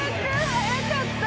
早かった。